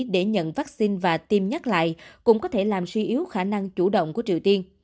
để nhận vaccine và tiêm nhắc lại cũng có thể làm suy yếu khả năng chủ động của triều tiên